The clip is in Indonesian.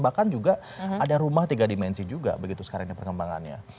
bahkan juga ada rumah tiga dimensi juga begitu sekarang ini perkembangannya